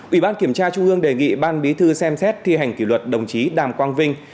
ủy ban kiểm tra trung ương đề nghị ban bí thư xem xét thi hành kỷ luật đồng chí đàm quang vinh